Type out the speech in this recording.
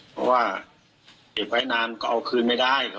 เพราะว่าเก็บไว้นานก็เอาคืนไม่ได้